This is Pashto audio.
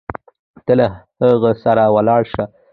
ته له هغه سره ولاړه شه.